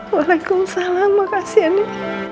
waalaikumsalam makasih ya din